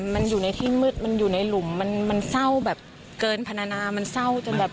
มันอยู่ในที่มืดมันอยู่ในหลุมมันเศร้าแบบเกินภารนา